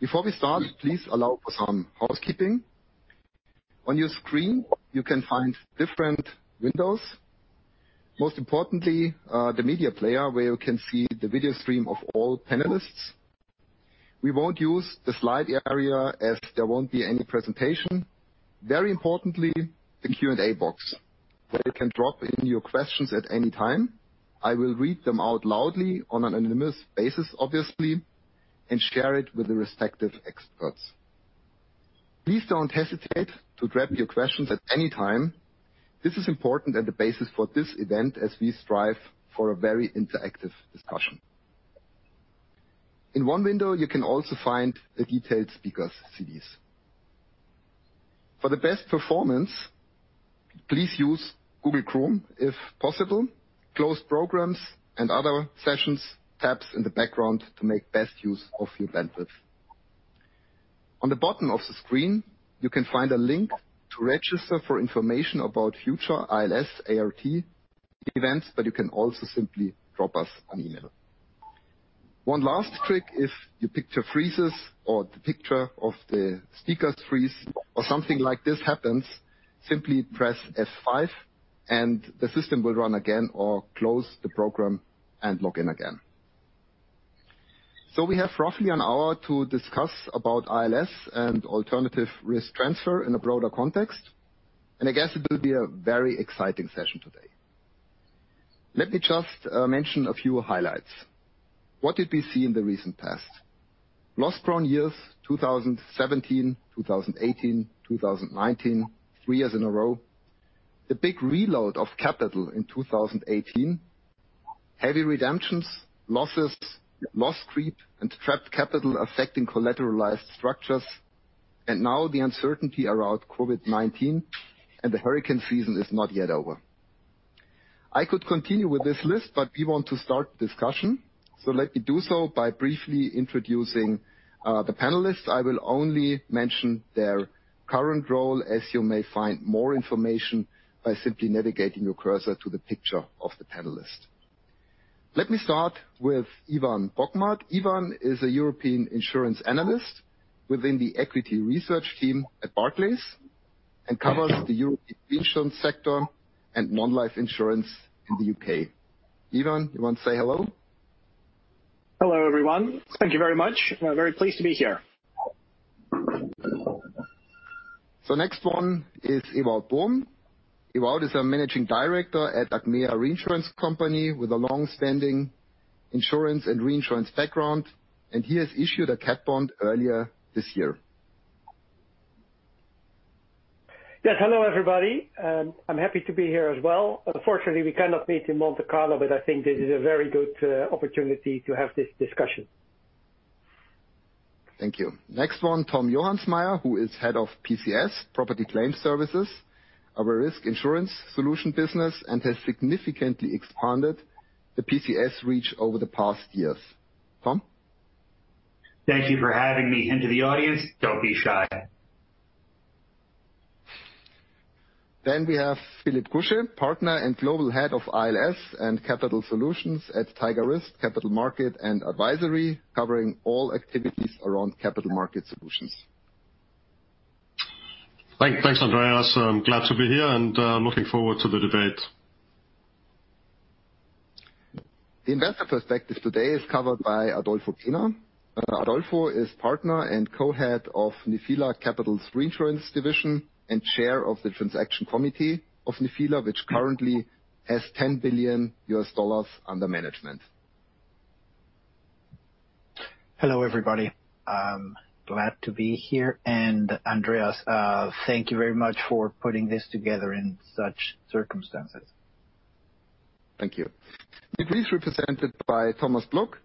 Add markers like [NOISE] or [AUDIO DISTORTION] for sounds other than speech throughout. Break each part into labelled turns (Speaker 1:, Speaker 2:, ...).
Speaker 1: Before we start, please allow for some housekeeping. On your screen, you can find different windows. Most importantly, the media player where you can see the video stream of all panelists. We won't use the slide area as there won't be any presentation. Very importantly, the Q&A box, where you can drop in your questions at any time. I will read them out loudly on an anonymous basis, obviously, and share it with the respective experts. Please don't hesitate to drop your questions at any time. This is important and the basis for this event as we strive for a very interactive discussion. In one window, you can also find the detailed speakers' CVs. For the best performance, please use Google Chrome if possible. Close programs and other sessions, tabs in the background to make best use of your bandwidth. On the bottom of the screen, you can find a link to register for information about future ILS/ART events. You can also simply drop us an email. One last trick, if your picture freezes or the picture of the speakers freeze or something like this happens, simply press F5 and the system will run again or close the program and log in again. We have roughly an hour to discuss about ILS and Alternative Risk Transfer in a broader context. I guess it will be a very exciting session today. Let me just mention a few highlights. What did we see in the recent past? Lost prone years, 2017, 2018, 2019, three years in a row. The big reload of capital in 2018. Heavy redemptions, losses, loss creep, and trapped capital affecting collateralized structures, and now the uncertainty around COVID-19 and the hurricane season is not yet over. I could continue with this list, but we want to start the discussion. Let me do so by briefly introducing the panelists. I will only mention their current role as you may find more information by simply navigating your cursor to the picture of the panelist. Let me start with Ivan Bokhmat. Ivan is a European insurance analyst within the equity research team at Barclays and covers the European insurance sector and non-life insurance in the U.K. Ivan, you want to say hello?
Speaker 2: Hello, everyone. Thank you very much. I'm very pleased to be here.
Speaker 1: Next one is Ewoud Bom. Ewoud is a managing director at Achmea Reinsurance Company with a long-standing insurance and reinsurance background, and he has issued a cat bond earlier this year.
Speaker 3: Yes. Hello, everybody. I am happy to be here as well. Unfortunately, we cannot meet in Monte Carlo, but I think this is a very good opportunity to have this discussion.
Speaker 1: Thank you. Next one, Tom Johansmeyer, who is Head of PCS, Property Claim Services, our Verisk Insurance Solutions business, and has significantly expanded the PCS reach over the past years. Tom?
Speaker 4: Thank you for having me. To the audience, don't be shy.
Speaker 1: We have Philipp Kusche, partner and global head of ILS and capital solutions at TigerRisk Capital Market & Advisory, covering all activities around capital market solutions.
Speaker 5: Thanks, Andreas. I'm glad to be here and looking forward to the debate.
Speaker 1: The investor perspective today is covered by Adolfo Pena. Adolfo is partner and co-head of Nephila Capital's reinsurance division and chair of the transaction committee of Nephila, which currently has $10 billion under management.
Speaker 6: Hello, everybody. I'm glad to be here. Andreas, thank you very much for putting this together in such circumstances.
Speaker 1: Thank you. Munich Re is represented by Thomas Blunck,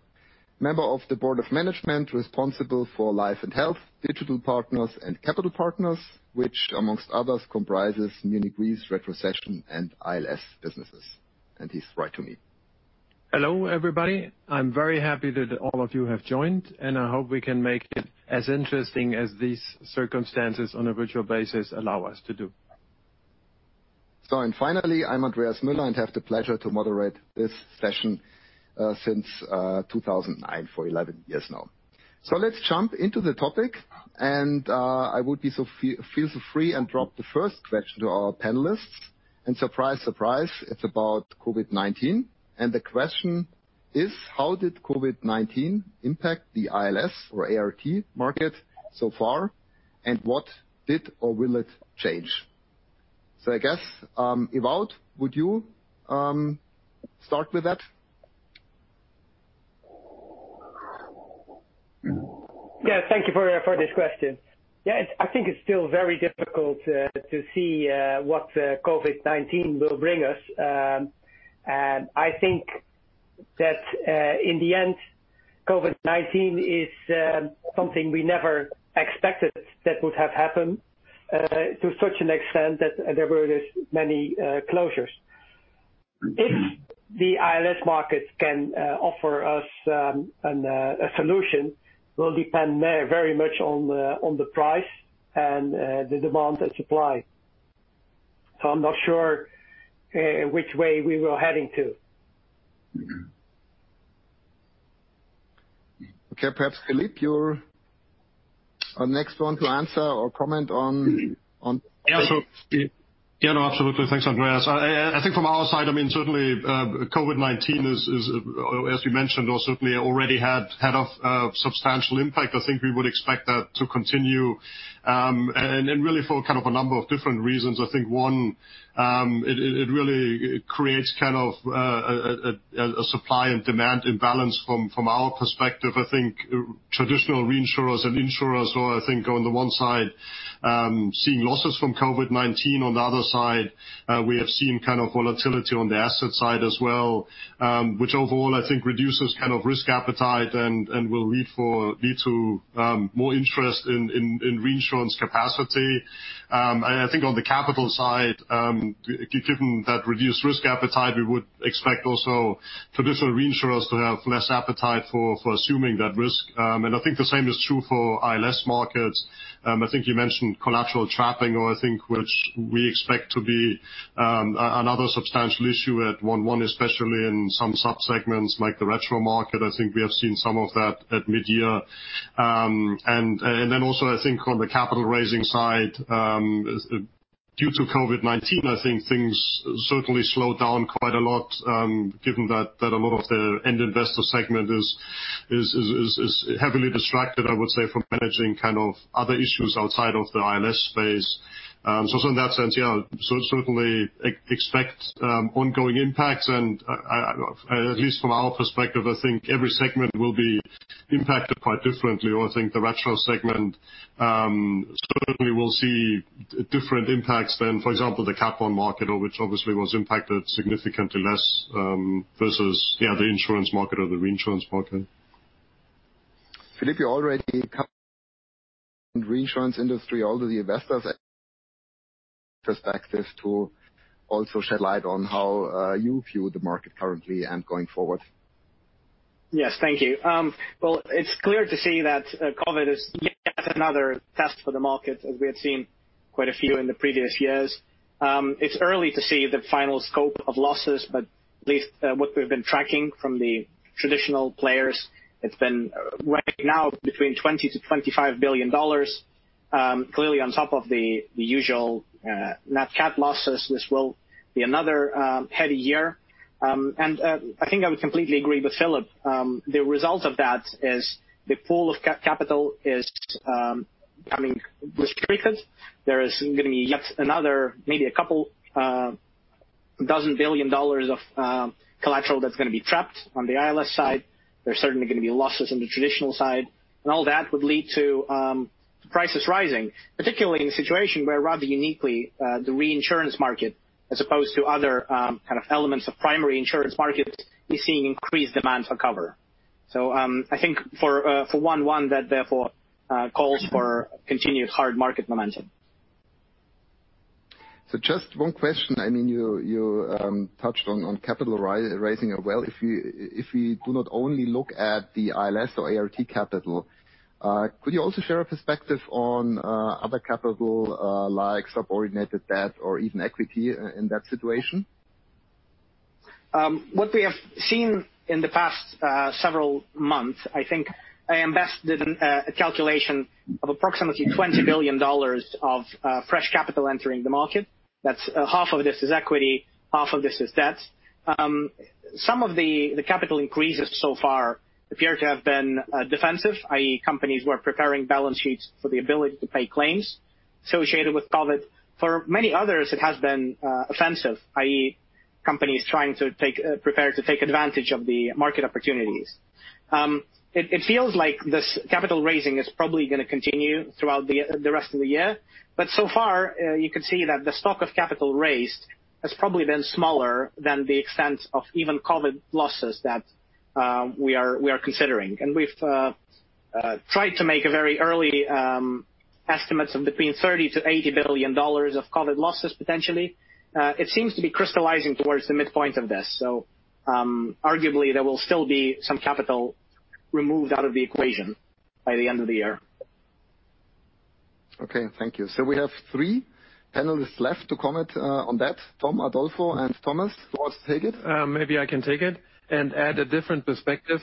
Speaker 1: Member of the Board of Management responsible for life and health, Digital Partners, and Capital Partners, which among others, comprises Munich Re's retrocession and ILS businesses. He's right to me.
Speaker 7: Hello, everybody. I'm very happy that all of you have joined, and I hope we can make it as interesting as these circumstances on a virtual basis allow us to do.
Speaker 1: Finally, I'm Andreas Müller and have the pleasure to moderate this session since 2009, for 11 years now. Let's jump into the topic, feel free and drop the first question to our panelists. Surprise, surprise, it's about COVID-19. The question is: How did COVID-19 impact the ILS or ART market so far, and what did or will it change? I guess, Ewoud, would you start with that?
Speaker 3: Yeah. Thank you for this question. Yeah. I think it's still very difficult to see what COVID-19 will bring us. I think that in the end, COVID-19 is something we never expected that would have happened to such an extent that there were this many closures. If the ILS market can offer us a solution will depend very much on the price and the demand and supply. I'm not sure which way we were heading to.
Speaker 1: Okay, perhaps Philipp, you're next one to answer or comment on.
Speaker 5: Yeah, sure. Yeah, no, absolutely. Thanks, Andreas. I think from our side, certainly COVID-19 is, as you mentioned, or certainly already had a substantial impact. I think we would expect that to continue. Really for kind of a number of different reasons. I think, one, it really creates a supply and demand imbalance from our perspective. I think traditional reinsurers and insurers who I think on the one side, seeing losses from COVID-19, on the other side, we have seen kind of volatility on the asset side as well, which overall I think reduces risk appetite and will lead to more interest in reinsurance capacity. I think on the capital side, given that reduced risk appetite, we would expect also traditional reinsurers to have less appetite for assuming that risk. I think the same is true for ILS markets. I think you mentioned collateral trapping, or I think, which we expect to be another substantial issue at one-to-one, especially in some sub-segments like the retro market. I think we have seen some of that at mid-year. Then also I think on the capital raising side, due to COVID-19, I think things certainly slowed down quite a lot, given that a lot of the end investor segment is heavily distracted, I would say, from managing other issues outside of the ILS space. In that sense, yeah, certainly expect ongoing impacts and at least from our perspective, I think every segment will be impacted quite differently. I think the retro segment certainly will see different impacts than, for example, the capital market, which obviously was impacted significantly less, versus the insurance market or the reinsurance market.
Speaker 1: Philipp, you already covered reinsurance industry, although the investors perspective too, also shed light on how you view the market currently and going forward.
Speaker 2: Yes. Thank you. Well, it's clear to see that COVID is yet another test for the market, as we had seen quite a few in the previous years. It's early to see the final scope of losses, but at least what we've been tracking from the traditional players, it's been right now between $20 billion-$25 billion. Clearly on top of the usual Nat Cat losses, this will be another heady year. I think I would completely agree with Philipp. The result of that is the pool of capital is becoming restricted. There is going to be yet another, maybe a couple dozen billion dollars of collateral that's going to be trapped on the ILS side. There's certainly going to be losses on the traditional side. All that would lead to prices rising, particularly in a situation where rather uniquely, the reinsurance market as opposed to other kind of elements of primary insurance market is seeing increased demand for cover. I think for one that therefore, calls for continued hard market momentum.
Speaker 1: Just one question. You touched on capital raising. If we do not only look at the ILS or ART capital, could you also share a perspective on other capital, like subordinated debt or even equity in that situation?
Speaker 2: What we have seen in the past several months, I think AM Best did a calculation of approximately $20 billion of fresh capital entering the market. That's half of this is equity, half of this is debt. Some of the capital increases so far appear to have been defensive, i.e. companies were preparing balance sheets for the ability to pay claims associated with COVID. For many others, it has been offensive, i.e. companies trying to prepare to take advantage of the market opportunities. It feels like this capital raising is probably going to continue throughout the rest of the year. So far, you could see that the stock of capital raised has probably been smaller than the extent of even COVID losses that we are considering. We've tried to make a very early estimates of between $30 billion-$80 billion of COVID losses, potentially. It seems to be crystallizing towards the midpoint of this. Arguably, there will still be some capital removed out of the equation by the end of the year.
Speaker 1: Okay, thank you. We have three panelists left to comment on that. Tom, Adolfo, and Thomas, who wants to take it?
Speaker 7: Maybe I can take it and add a different perspective.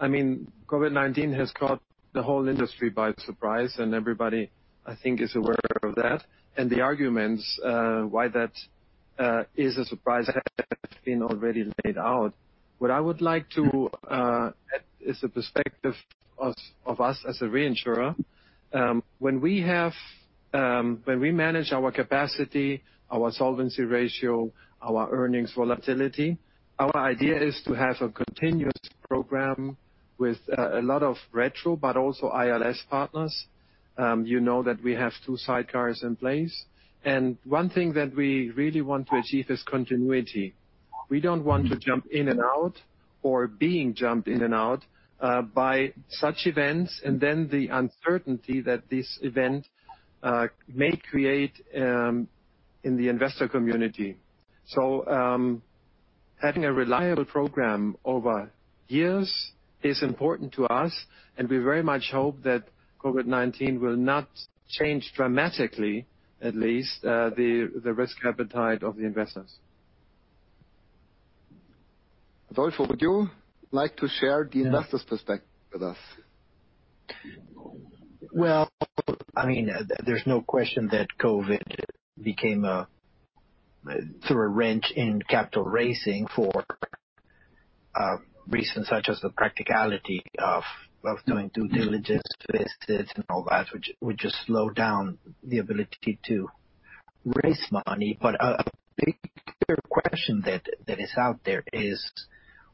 Speaker 7: COVID-19 has caught the whole industry by surprise, everybody, I think, is aware of that. The arguments, why that is a surprise have been already laid out. What I would like to add is a perspective of us as a reinsurer. When we manage our capacity, our solvency ratio, our earnings volatility, our idea is to have a continuous program with a lot of retro, but also ILS partners. You know that we have two sidecars in place. One thing that we really want to achieve is continuity. We don't want to jump in and out or being jumped in and out by such events, and then the uncertainty that this event may create in the investor community. Having a reliable program over years is important to us, and we very much hope that COVID-19 will not change dramatically, at least, the risk appetite of the investors.
Speaker 1: Adolfo, would you like to share the investor's perspective with us?
Speaker 6: Well, there's no question that COVID threw a wrench in capital raising for reasons such as the practicality of doing due diligence visits and all that, which has slowed down the ability to raise money. A big clear question that is out there is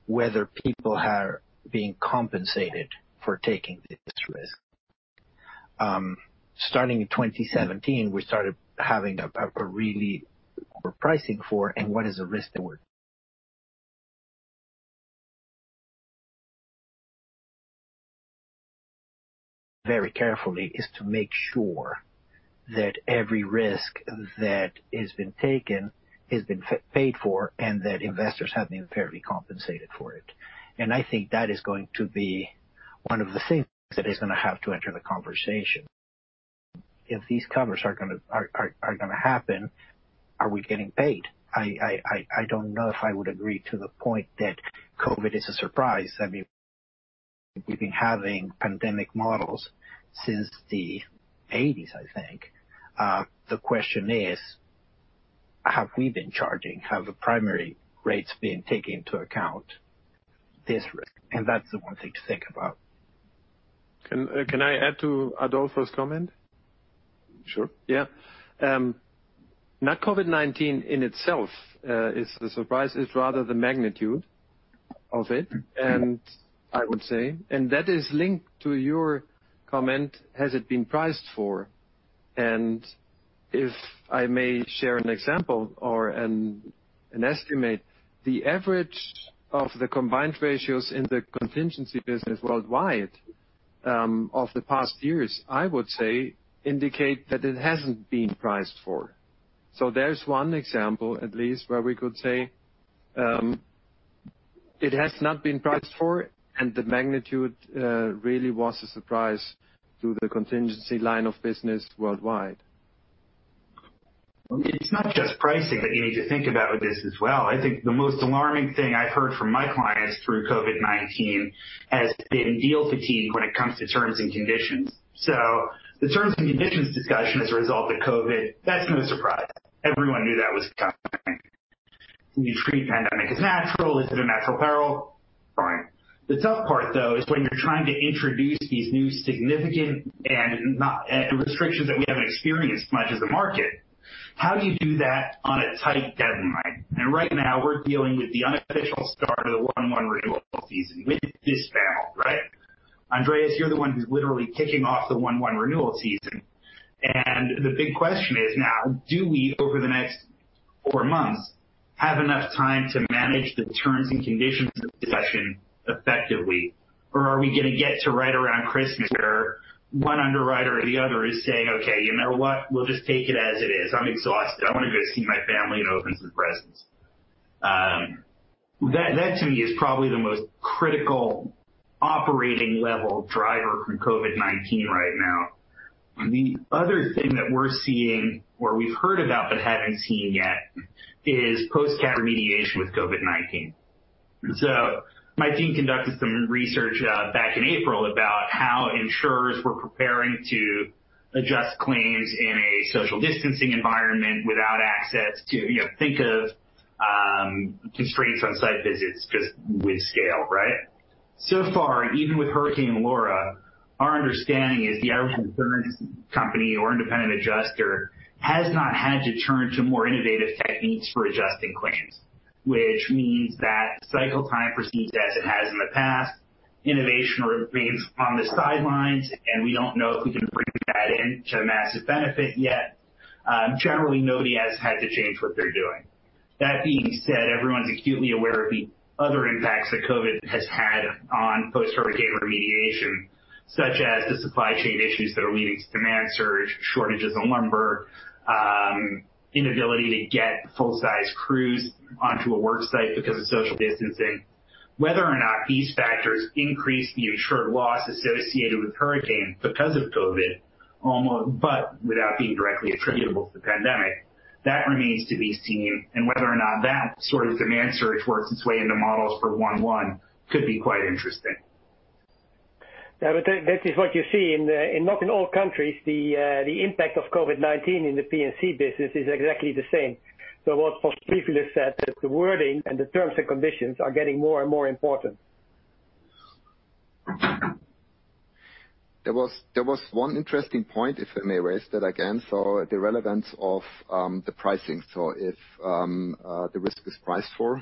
Speaker 6: whether people are being compensated for taking this risk. Starting in 2017, we started having a really poor pricing for, and what is the risk [AUDIO DISTORTION] that we're very carefully is to make sure that every risk that has been taken has been paid for, and that investors have been fairly compensated for it. I think that is going to be one of the things that is going to have to enter the conversation. If these covers are going to happen, are we getting paid? I don't know if I would agree to the point that COVID is a surprise. We've been having pandemic models since the '80s, I think. The question is, have we been charging? Have the primary rates been taking into account this risk? That's the one thing to think about.
Speaker 7: Can I add to Adolfo's comment?
Speaker 1: Sure.
Speaker 7: Yeah. Not COVID-19 in itself is the surprise. It's rather the magnitude of it, I would say. That is linked to your comment, has it been priced for? If I may share an example or an estimate, the average of the combined ratios in the contingency business worldwide, of the past years, I would say, indicate that it hasn't been priced for. There's one example at least where we could say, it has not been priced for, and the magnitude really was a surprise to the contingency line of business worldwide.
Speaker 4: It's not just pricing that you need to think about with this as well. I think the most alarming thing I've heard from my clients through COVID-19 has been deal fatigue when it comes to terms and conditions. The terms and conditions discussion as a result of COVID, that's no surprise. Everyone knew that was coming. Do you treat pandemic as natural? Is it a natural peril? Fine. The tough part, though, is when you're trying to introduce these new significant restrictions that we haven't experienced much as a market. How do you do that on a tight deadline? Right now, we're dealing with the unofficial start of the 1/1 renewal season with this battle, right? Andreas, you're the one who's literally kicking off the 1/1 renewal season. The big question is now, do we, over the next four months, have enough time to manage the terms and conditions discussion effectively? Are we going to get to right around Christmas where one underwriter or the other is saying, "Okay, you know what? We'll just take it as it is. I'm exhausted. I want to go see my family and open some presents." That to me is probably the most critical operating level driver from COVID-19 right now. The other thing that we're seeing, or we've heard about but haven't seen yet, is post-cat remediation with COVID-19. My team conducted some research back in April about how insurers were preparing to adjust claims in a social distancing environment without access to think of constraints on site visits just with scale. Right? Far, even with Hurricane Laura, our understanding is the average insurance company or independent adjuster has not had to turn to more innovative techniques for adjusting claims. Which means that cycle time proceeds as it has in the past. Innovation remains on the sidelines, and we don't know if we can bring that in to massive benefit yet. Generally, nobody has had to change what they're doing. That being said, everyone's acutely aware of the other impacts that COVID has had on post-hurricane remediation, such as the supply chain issues that are leading to demand surge, shortages in lumber, inability to get full-size crews onto a work site because of social distancing. Whether or not these factors increase the insured loss associated with hurricanes because of COVID, but without being directly attributable to the pandemic, that remains to be seen, and whether or not that sort of demand surge works its way into models for 1/1 could be quite interesting.
Speaker 3: Yeah, that is what you see. Not in all countries the impact of COVID-19 in the P&C business is exactly the same. What Kusche Philipp said, that the wording and the terms and conditions are getting more and more important.
Speaker 1: There was one interesting point, if I may raise that again. The relevance of the pricing. If the risk is priced for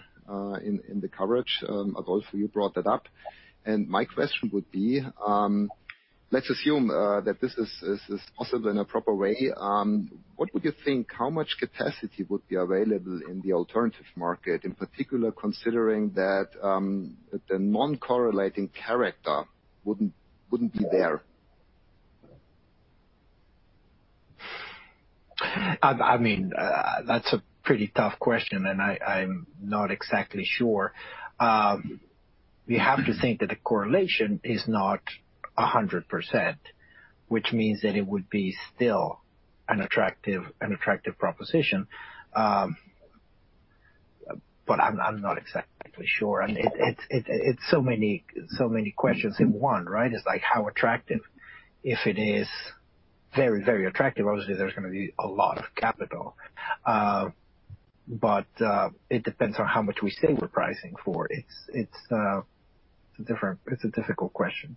Speaker 1: in the coverage. Adolfo, you brought that up. My question would be, let's assume that this is possible in a proper way. What would you think, how much capacity would be available in the alternative market, in particular, considering that the non-correlating character wouldn't be there?
Speaker 6: I mean, that's a pretty tough question, and I'm not exactly sure. We have to think that the correlation is not 100%, which means that it would be still an attractive proposition. I'm not exactly sure. It's so many questions in one, right? It's like how attractive. If it is very attractive, obviously there's going to be a lot of capital. It depends on how much we say we're pricing for. It's a difficult question.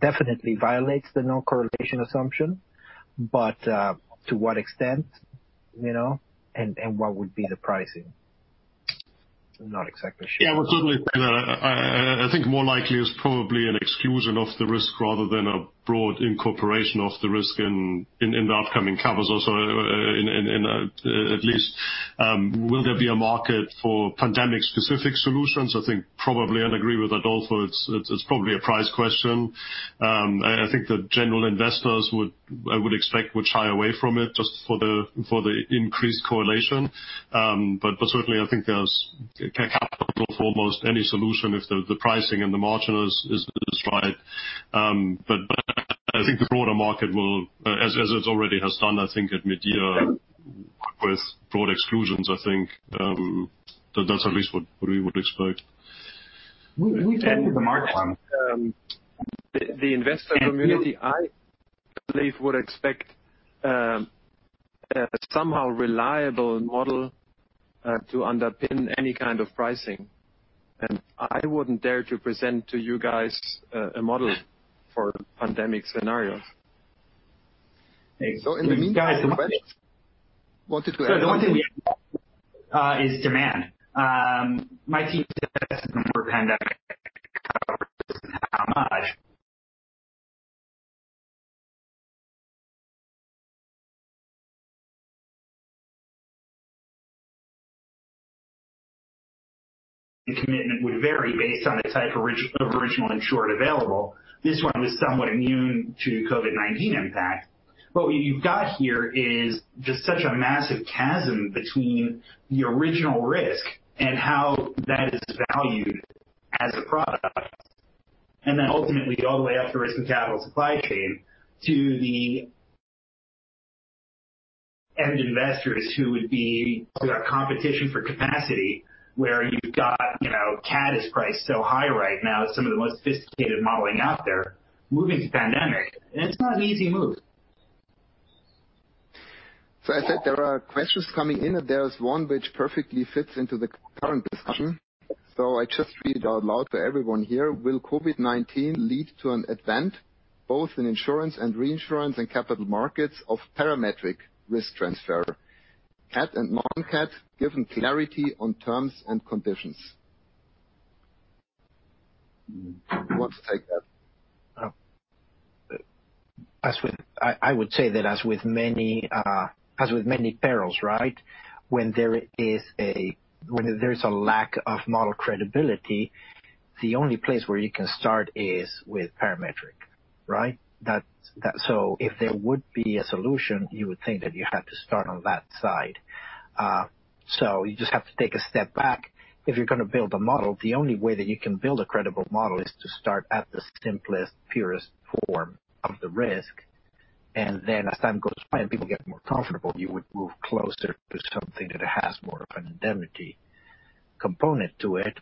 Speaker 6: Definitely violates the no correlation assumption, but to what extent? What would be the pricing? I'm not exactly sure.
Speaker 5: Yeah. Well, certainly, I think more likely is probably an exclusion of the risk rather than a broad incorporation of the risk in the upcoming covers also in, at least, will there be a market for pandemic-specific solutions? I think probably, and agree with Adolfo, it's probably a price question. I think the general investors I would expect would shy away from it just for the increased correlation. Certainly, I think there's capital for almost any solution if the pricing and the margin is right. I think the broader market will, as it already has done, I think at mid-year with broad exclusions, I think. That's at least what we would expect.
Speaker 4: We've entered the market on-
Speaker 7: The investor community, I believe, would expect somehow reliable model to underpin any kind of pricing. I wouldn't dare to present to you guys a model for pandemic scenarios.
Speaker 1: In the meantime, questions? I wanted to add.
Speaker 4: The one thing we have is demand. My team says the [AUDIO DISTORTION] pandemic [AUDIO DISTORTION] and how much. The commitment would vary based on the type of original insured available. This one was somewhat immune to COVID-19 impact. What you've got here is just such a massive chasm between the original risk and how that is valued as a product. Then ultimately all the way up the risk and capital supply chain to the end investors who would be our competition for capacity, where you've got CAT is priced so high right now, some of the most sophisticated modeling out there, moving to pandemic, and it's not an easy move.
Speaker 1: I said there are questions coming in, and there's one which perfectly fits into the current discussion. I just read it out loud for everyone here. "Will COVID-19 lead to an advent, both in insurance and reinsurance and capital markets of parametric risk transfer, CAT and non-CAT, given clarity on terms and conditions?" Who wants to take that?
Speaker 5: I would say that as with many perils, right? When there's a lack of model credibility, the only place where you can start is with parametric. Right? If there would be a solution, you would think that you have to start on that side. You just have to take a step back. If you're going to build a model, the only way that you can build a credible model is to start at the simplest, purest form of the risk. Then as time goes by and people get more comfortable, you would move closer to something that has more of an indemnity component to it.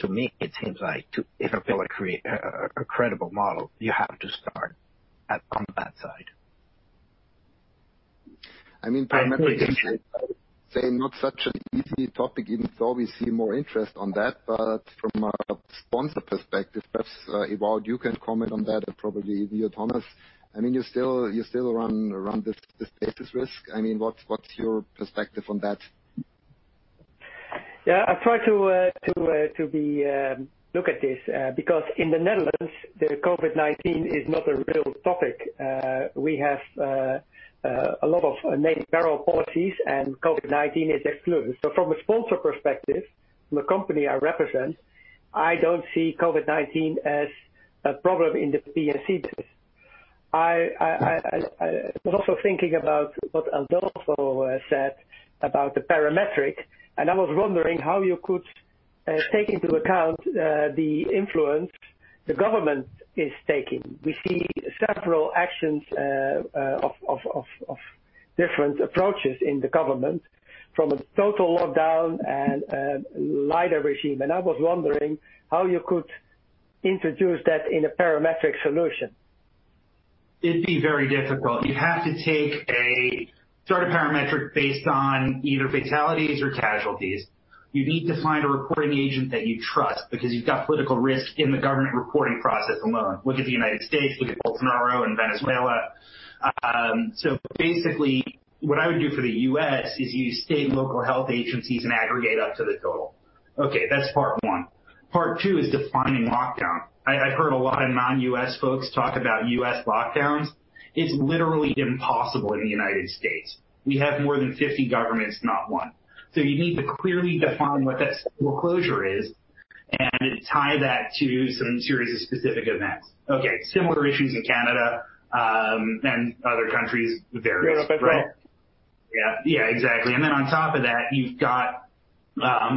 Speaker 5: To me, it seems like to ever be able to create a credible model, you have to start on that side.
Speaker 1: I mean, parametric insurance, I would say, not such an easy topic, even though we see more interest on that. From a sponsor perspective, perhaps Ewoud, you can comment on that, and probably you, Thomas. I mean, you still run this business risk. I mean, what's your perspective on that?
Speaker 3: Yeah, I try to look at this, because in the Netherlands, the COVID-19 is not a real topic. We have a lot of named peril policies. COVID-19 is excluded. From a sponsor perspective, from the company I represent, I don't see COVID-19 as a problem in the P&C business. I was also thinking about what Adolfo said about the parametric. I was wondering how you could take into account the influence the government is taking. We see several actions of different approaches in the government from a total lockdown and a lighter regime. I was wondering how you could introduce that in a parametric solution.
Speaker 4: It'd be very difficult. You have to take a sort of parametric based on either fatalities or casualties. You need to find a reporting agent that you trust because you've got political risk in the government reporting process alone. Look at the U.S., look at Bolsonaro in Venezuela. Basically, what I would do for the U.S. is use state and local health agencies and aggregate up to the total. That's part one. Part two is defining lockdown. I've heard a lot of non-U.S. folks talk about U.S. lockdowns. It's literally impossible in the U.S. We have more than 50 governments, not one. You need to clearly define what that school closure is. Tie that to some series of specific events. Similar issues in Canada and other countries vary as well.
Speaker 3: Europe as well.
Speaker 4: Yeah, exactly. On top of that, you've got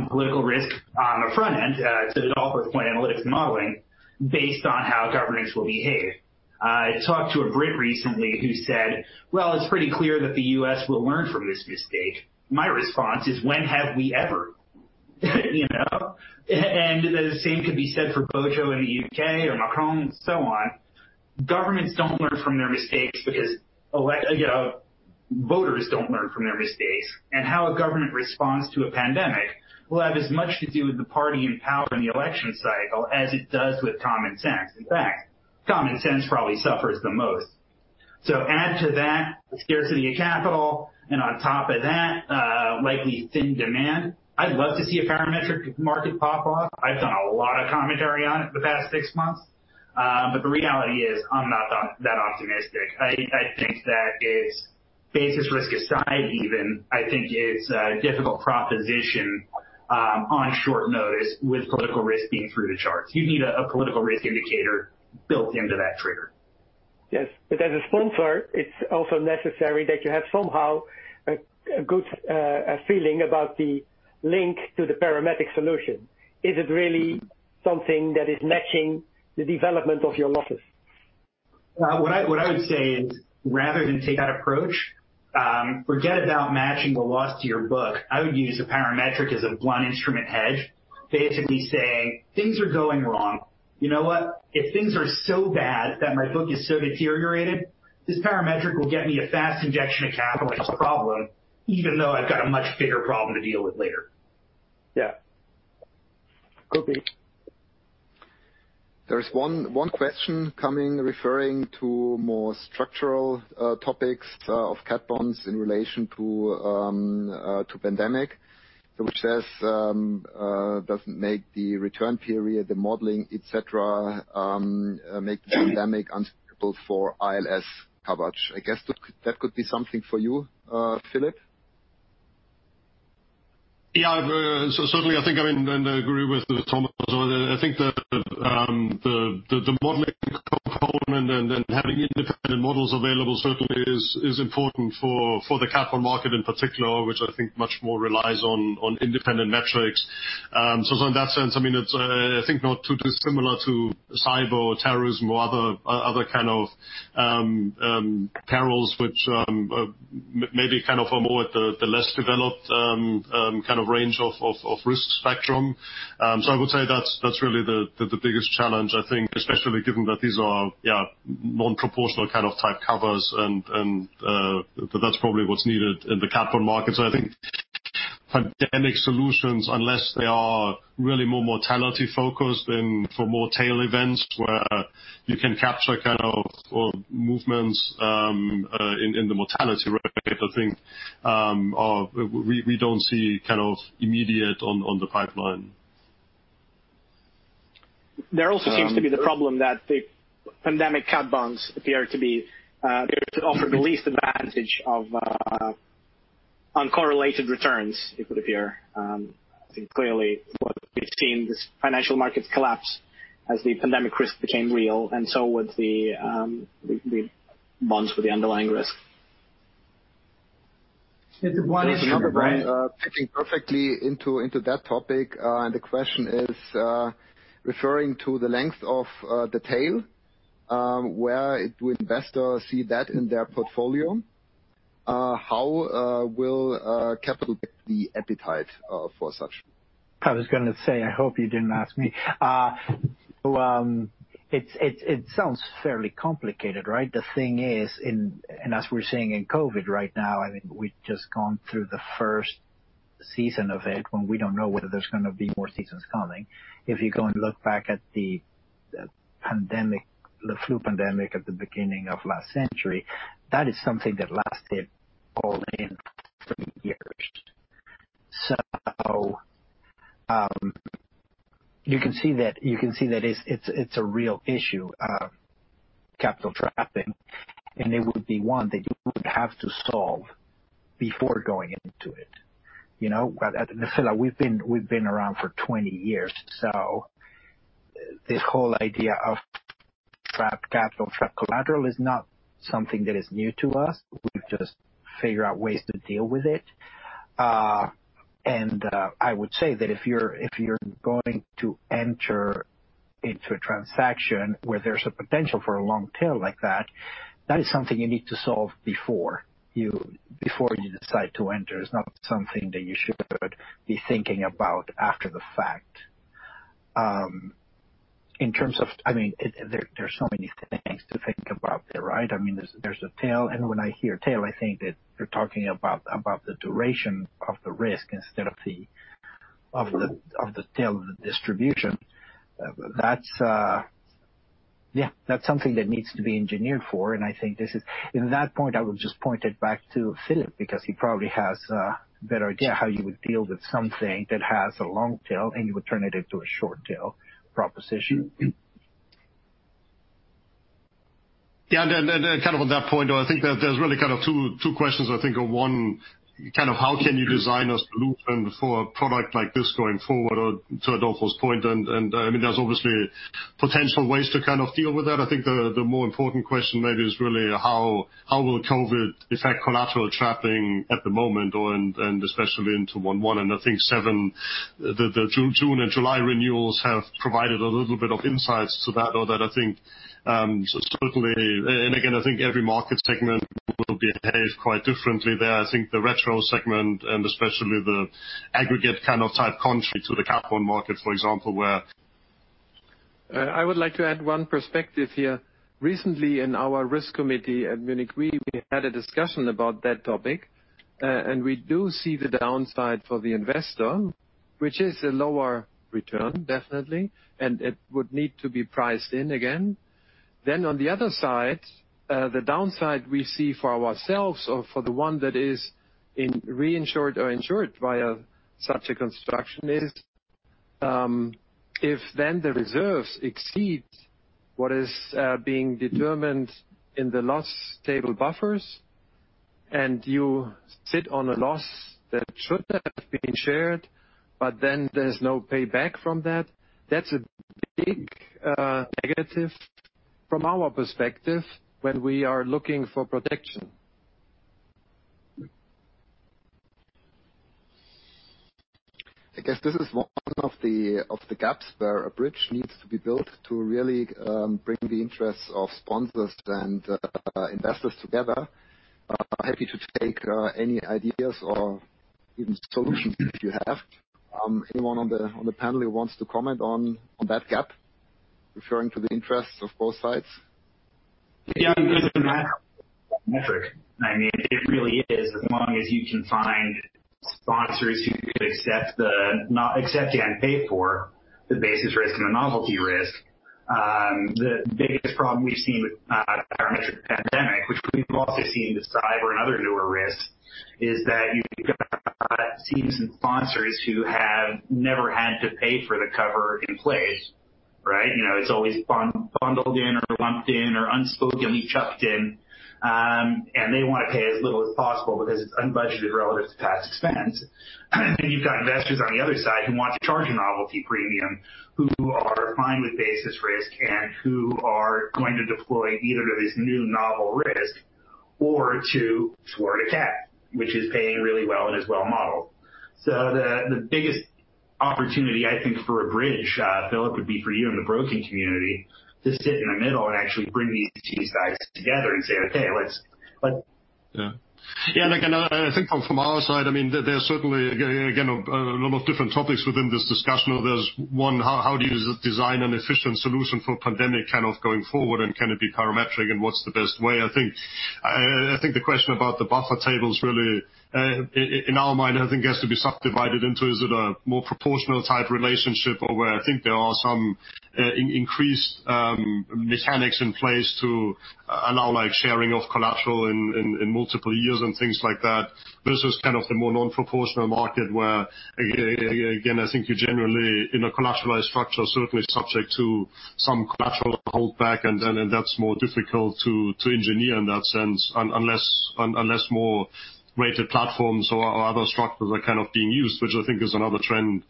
Speaker 4: political risk on the front end to Adolfo's point, analytics and modeling, based on how governments will behave. I talked to a Brit recently who said, "Well, it's pretty clear that the U.S. will learn from this mistake." My response is, when have we ever? The same could be said for BoJo in the U.K. or Macron and so on. Governments don't learn from their mistakes because voters don't learn from their mistakes. How a government responds to a pandemic will have as much to do with the party in power in the election cycle as it does with common sense. In fact, common sense probably suffers the most. Add to that, the scarcity of capital, On top of that, likely thin demand. I'd love to see a parametric market pop off. I've done a lot of commentary on it the past six months. The reality is, I'm not that optimistic. I think that its basis risk aside even, I think it's a difficult proposition on short notice with political risk being through the charts. You'd need a political risk indicator built into that trigger.
Speaker 3: Yes. As a sponsor, it's also necessary that you have somehow a good feeling about the link to the parametric solution. Is it really something that is matching the development of your losses?
Speaker 4: What I would say is, rather than take that approach, forget about matching the loss to your book. I would use a parametric as a one instrument hedge, basically saying, "Things are going wrong. You know what? If things are so bad that my book is so deteriorated, this parametric will get me a fast injection of capital into the problem, even though I've got a much bigger problem to deal with later.
Speaker 3: Yeah. Could be.
Speaker 1: There is one question coming referring to more structural topics of cat bonds in relation to pandemic, which says, does it make the return period, the modeling, et cetera, make the pandemic unsuitable for ILS coverage? I guess that could be something for you, Philipp.
Speaker 5: Yeah. Certainly, I think I agree with Thomas. I think that the modeling component and then having independent models available certainly is important for the cat bond market in particular, which I think much more relies on independent metrics. In that sense, it's, I think, not too dissimilar to cyber or terrorism or other kind of perils, which maybe kind of are more at the less developed kind of range of risk spectrum. I would say that's really the biggest challenge, I think, especially given that these are non-proportional kind of type covers and that's probably what's needed in the cat bond market. I think pandemic solutions, unless they are really more mortality focused and for more tail events where you can capture kind of movements in the mortality rate, I think we don't see kind of immediate on the pipeline.
Speaker 2: There also seems to be the problem that the pandemic cat bonds appear to offer the least advantage of uncorrelated returns, it would appear. I think clearly what we've seen, this financial markets collapse as the pandemic risk became real and so with the bonds with the underlying risk.
Speaker 4: It's a one issue, right?
Speaker 1: There's another one fitting perfectly into that topic. The question is referring to the length of the tail, where do investors see that in their portfolio? How will capital get the appetite for such?
Speaker 6: I was going to say, I hope you didn't ask me. It sounds fairly complicated, right? The thing is, as we're seeing in COVID right now, I think we've just gone through the first season of it, when we don't know whether there's going to be more seasons coming. If you go and look back at the flu pandemic at the beginning of last century, that is something that lasted all in three years. You can see that it's a real issue of capital trapping, and it would be one that you would have to solve before going into it. At Nephila, we've been around for 20 years, so this whole idea of trapped capital, trapped collateral is not something that is new to us. We've just figured out ways to deal with it. I would say that if you're going to enter into a transaction where there's a potential for a long tail like that is something you need to solve before you decide to enter. It's not something that you should be thinking about after the fact. There's so many things to think about there, right? There's the tail. When I hear tail, I think that you're talking about the duration of the risk instead of the tail of the distribution. That's something that needs to be engineered for. I think in that point, I would just point it back to Philipp, because he probably has a better idea how you would deal with something that has a long tail, and you would turn it into a short tail proposition.
Speaker 5: Yeah. On that point, I think that there's really two questions. I think one, how can you design a solution for a product like this going forward, to Adolfo's point? There's obviously potential ways to deal with that. I think the more important question maybe is really how will COVID-19 affect collateral trapping at the moment, and especially into 1/1? I think since the June and July renewals have provided a little bit of insights to that. I think certainly, and again, I think every market segment will behave quite differently there. I think the retro segment and especially the aggregate kind of type contrary to the cat bond market, for example.
Speaker 7: I would like to add one perspective here. Recently, in our risk committee at Munich Re, we had a discussion about that topic. We do see the downside for the investor, which is a lower return definitely, and it would need to be priced in again. On the other side, the downside we see for ourselves or for the one that is in reinsured or insured via such a construction is, if then the reserves exceed what is being determined in the loss table buffers, and you sit on a loss that should have been shared, but then there's no payback from that's a big negative from our perspective when we are looking for protection.
Speaker 1: I guess this is one of the gaps where a bridge needs to be built to really bring the interests of sponsors and investors together. Happy to take any ideas or even solutions if you have. Anyone on the panel who wants to comment on that gap, referring to the interests of both sides?
Speaker 4: Yeah. It doesn't matter the metric. It really is as long as you can find sponsors who could accept and pay for the basis risk and the novelty risk. The biggest problem we've seen with parametric pandemic, which we've also seen with cyber and other newer risks, is that you've got seasoned sponsors who have never had to pay for the cover in place. Right? It's always bundled in or lumped in or unspokenly chucked in. They want to pay as little as possible because it's unbudgeted relative to past expense. You've got investors on the other side who want to charge a novelty premium, who are fine with basis risk, and who are going to deploy either to this new novel risk or to short-tail cat, which is paying really well and is well-modeled. The biggest opportunity, I think, for a bridge, Philipp, would be for you and the broking community to sit in the middle and actually bring these two sides together and say, "Okay, lets. [AUDIO DISTORTION]
Speaker 5: Again, I think from our side, there's certainly, again, a lot of different topics within this discussion. There's one, how do you design an efficient solution for pandemic kind of going forward, and can it be parametric, and what's the best way? I think the question about the buffer tables really, in our mind, I think has to be subdivided into, is it a more proportional type relationship or where I think there are some increased mechanics in place to allow sharing of collateral in multiple years and things like that. Versus kind of the more non-proportional market where, again, I think you're generally in a collateralized structure, certainly subject to some collateral holdback, and then that's more difficult to engineer in that sense, unless more rated platforms or other structures are kind of being used. Which I think is another trend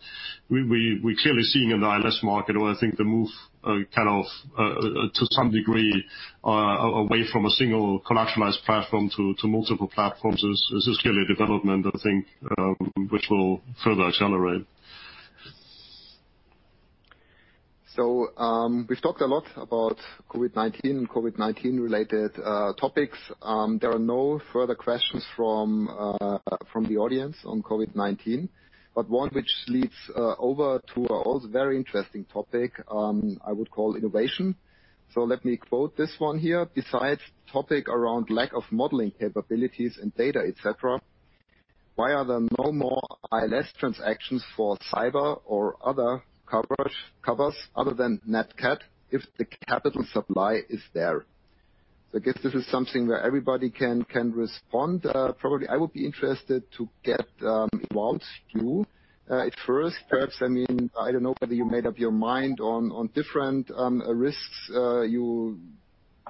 Speaker 5: we're clearly seeing in the ILS market, where I think the move kind of, to some degree, away from a single collateralized platform to multiple platforms is clearly a development, I think, which will further accelerate.
Speaker 1: We've talked a lot about COVID-19, and COVID-19 related topics. There are no further questions from the audience on COVID-19. One which leads over to a very interesting topic I would call innovation. Let me quote this one here. Besides topic around lack of modeling capabilities and data, et cetera, why are there no more ILS transactions for cyber or other covers other than Nat Cat if the capital supply is there? I guess this is something where everybody can respond. Probably I would be interested to get Ewoud's view at first, perhaps. I don't know whether you made up your mind on different risks you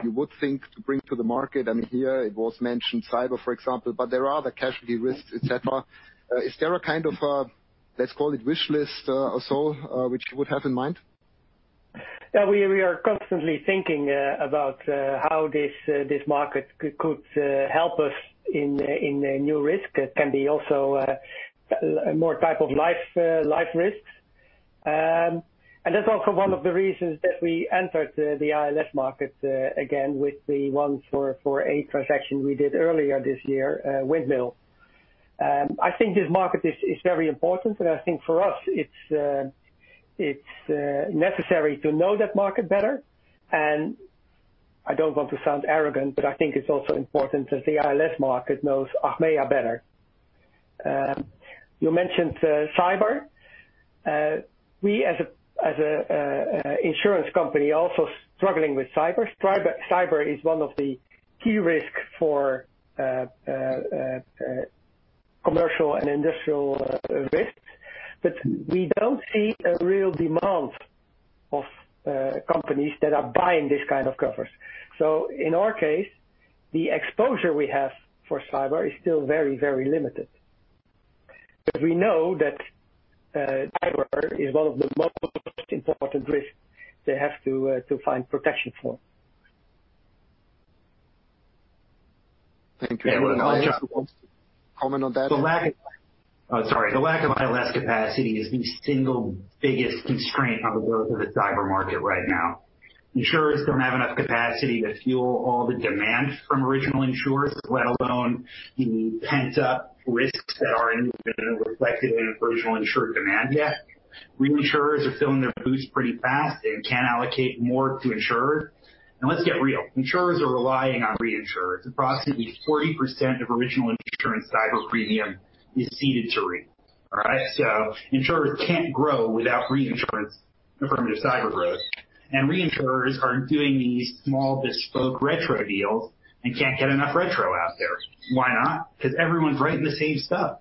Speaker 1: would think to bring to the market. Here it was mentioned cyber, for example, but there are other casualty risks, et cetera. Is there a kind of, let's call it wish list or so, which you would have in mind?
Speaker 3: Yeah, we are constantly thinking about how this market could help us in new risk. It can be also more type of life risks. That's also one of the reasons that we entered the ILS market again with the 144A transaction we did earlier this year, Windmill. I think this market is very important, and I think for us it's necessary to know that market better. I don't want to sound arrogant, but I think it's also important that the ILS market knows Achmea better. You mentioned cyber. We as an insurance company are also struggling with cyber. Cyber is one of the key risks for commercial and industrial risks, but we don't see a real demand of companies that are buying this kind of covers. In our case, the exposure we have for cyber is still very, very limited. We know that cyber is one of the most important risks they have to find protection for.
Speaker 1: Thank you. Comment on that.
Speaker 4: The lack of ILS capacity is the single biggest constraint on the growth of the cyber market right now. Insurers don't have enough capacity to fuel all the demand from original insurers, let alone the pent-up risks that are in the reflected in original insurer demand yet. Reinsurers are filling their boots pretty fast and can't allocate more to insurers. Let's get real. Insurers are relying on reinsurers. Approximately 40% of original insurance cyber premium is ceded to RE. All right? Insurers can't grow without reinsurance affirmative cyber growth, and reinsurers are doing these small bespoke retro deals and can't get enough retro out there. Why not? Because everyone's writing the same stuff.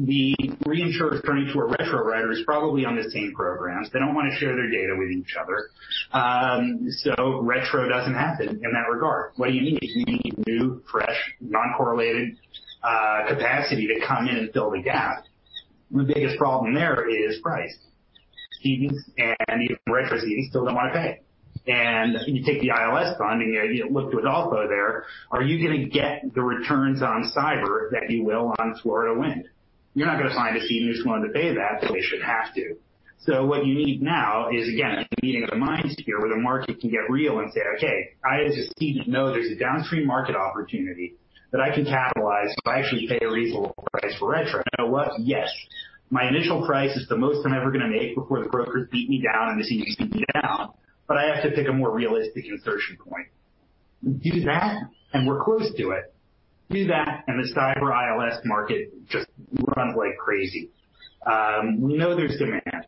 Speaker 4: The reinsurer turning to a retro writer is probably on the same programs. They don't want to share their data with each other. Retro doesn't happen in that regard. What do you need? You need new, fresh, non-correlated capacity to come in and fill the gap. The biggest problem there is price. Cedents and even retro cedents still don't want to pay. You take the ILS bond and you look to Adolfo there, are you going to get the returns on cyber that you will on Florida wind? You're not going to find a ceding who's willing to pay that until they should have to. What you need now is, again, a meeting of the minds here where the market can get real and say, okay, I as a ceding know there's a downstream market opportunity that I can capitalize if I actually pay a reasonable price for retro. You know what? Yes, my initial price is the most I'm ever going to make before the brokers beat me down and the cedents beat me down, but I have to pick a more realistic insertion point. Do that, and we're close to it. Do that, and the cyber ILS market just runs like crazy. We know there's demand.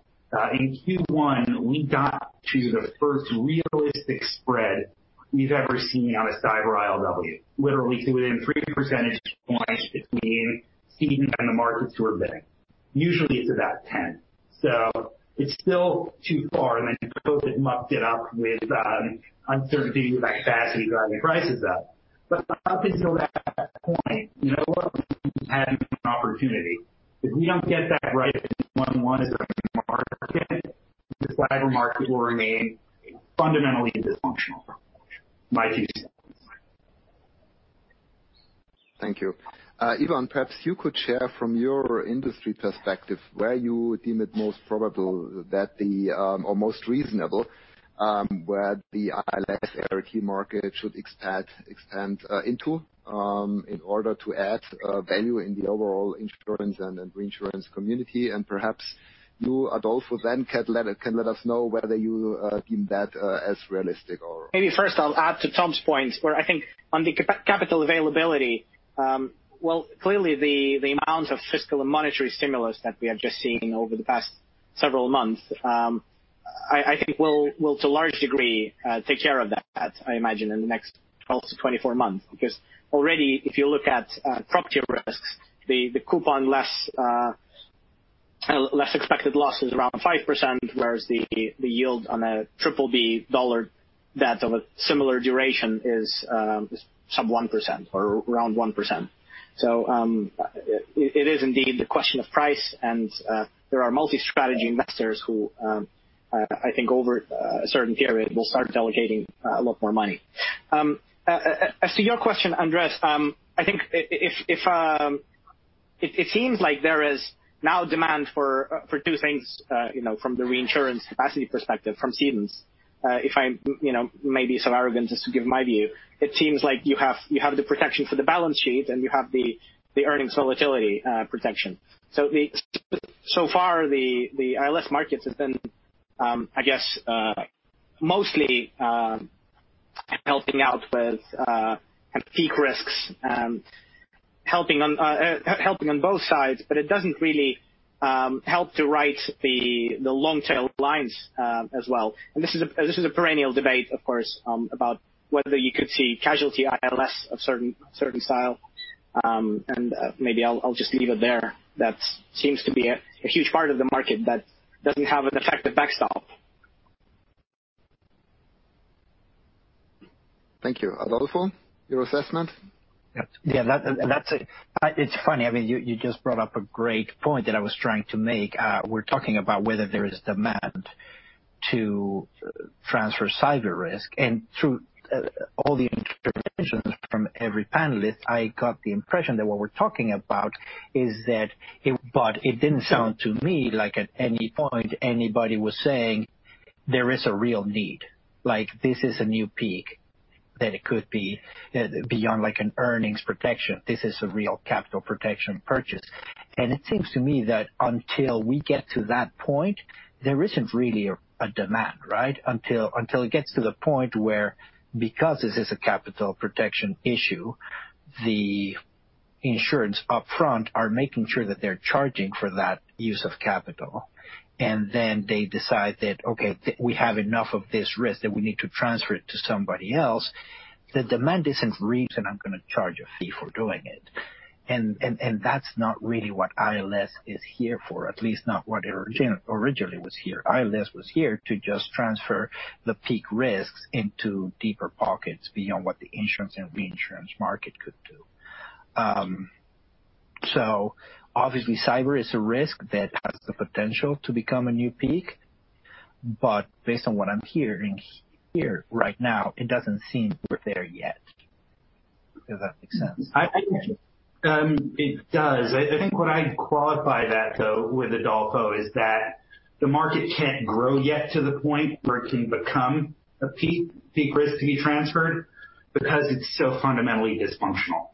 Speaker 4: In Q1, we got to the first realistic spread we've ever seen on a cyber ILW, literally to within 3 percentage points between ceding and the markets who are bidding. Usually, it's about 10. It's still too far, and then COVID mucked it up with uncertainty with capacity driving prices up. Up until that point, you know what. We hadn't an opportunity. If we don't get that right in 21 as a market, the cyber market will remain fundamentally dysfunctional from my two cents.
Speaker 1: Thank you. Ivan, perhaps you could share from your industry perspective where you deem it most probable or most reasonable where the ILS/ART market should expand into in order to add value in the overall insurance and reinsurance community, and perhaps you, Adolfo, then can let us know whether you deem that as realistic?
Speaker 2: Maybe first I'll add to Tom's point where I think on the capital availability, well, clearly the amount of fiscal and monetary stimulus that we have just seen over the past several months, I think will to a large degree, take care of that, I imagine in the next 12 months-24 months. Already if you look at property risks, the coupon less expected loss is around 5%, whereas the yield on a BBB dollar debt of a similar duration is sub 1% or around 1%. It is indeed the question of price and there are multi-strategy investors who, I think over a certain period, will start delegating a lot more money. As to your question, Andreas, it seems like there is now demand for two things from the reinsurance capacity perspective from cedents. If I'm maybe so arrogant as to give my view, it seems like you have the protection for the balance sheet, you have the earnings volatility protection. Far the ILS markets has been mostly helping out with peak risks, helping on both sides, it doesn't really help to write the long tail lines as well. This is a perennial debate, of course, about whether you could see casualty ILS of certain style. Maybe I'll just leave it there. That seems to be a huge part of the market that doesn't have an effective backstop.
Speaker 1: Thank you. Adolfo, your assessment?
Speaker 6: Yeah. It's funny. You just brought up a great point that I was trying to make. We're talking about whether there is demand to transfer cyber risk. Through all the interventions from every panelist, I got the impression that what we're talking about didn't sound to me like at any point anybody was saying there is a real need. Like this is a new peak, that it could be beyond like an earnings protection. This is a real capital protection purchase. It seems to me that until we get to that point, there isn't really a demand, right? Until it gets to the point where, because this is a capital protection issue, the insurance upfront are making sure that they're charging for that use of capital. They decide that, okay, we have enough of this risk that we need to transfer it to somebody else. The demand isn't RE, I'm going to charge a fee for doing it. That's not really what ILS is here for, at least not what it originally was here. ILS was here to just transfer the peak risks into deeper pockets beyond what the insurance and reinsurance market could do. Obviously, cyber is a risk that has the potential to become a new peak. Based on what I'm hearing here right now, it doesn't seem we're there yet. Does that make sense?
Speaker 4: It does. I think what I'd qualify that though, with Adolfo, is that the market can't grow yet to the point where it can become a peak risk to be transferred because it's so fundamentally dysfunctional.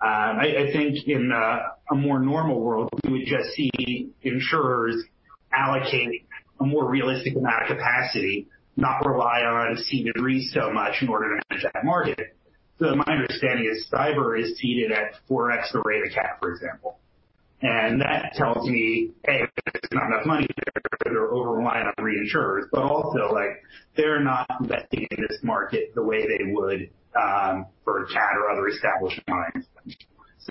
Speaker 4: I think in a more normal world, we would just see insurers allocate a more realistic amount of capacity, not rely on a ceded RE so much in order to manage that market. My understanding is cyber is ceded at 4x the rate of CAT, for example. That tells me, A, there's not enough money there. They're over-relying on reinsurers. Also, they're not investing in this market the way they would for a CAT or other established lines.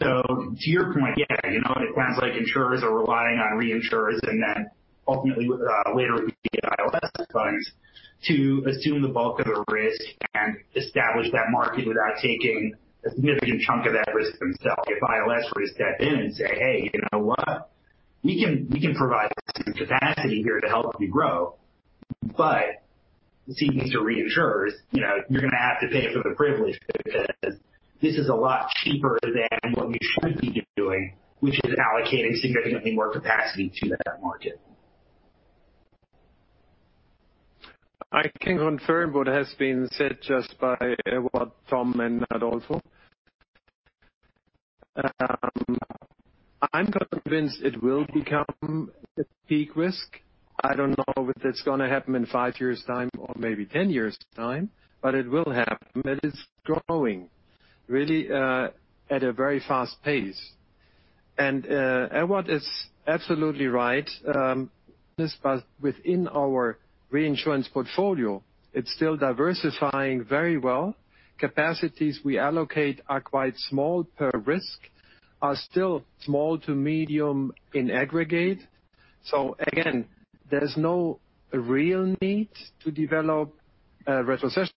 Speaker 4: To your point, yeah, it sounds like insurers are relying on reinsurers and then ultimately, later, we get ILS funds to assume the bulk of the risk and establish that market without taking a significant chunk of that risk themselves. If ILS were to step in and say, "Hey, you know what? We can provide some capacity here to help you grow. But ceding to reinsurers, you're going to have to pay for the privilege because this is a lot cheaper than what we should be doing, which is allocating significantly more capacity to that market.
Speaker 7: I can confirm what has been said just by Ewoud, Tom, and Adolfo. I'm convinced it will become a peak risk. I don't know if that's going to happen in five years' time or maybe 10 years' time, but it will happen, and it's growing really at a very fast pace. Ewoud is absolutely right. Within our reinsurance portfolio, it's still diversifying very well. Capacities we allocate are quite small per risk, are still small to medium in aggregate. Again, there's no real need to develop a retrocession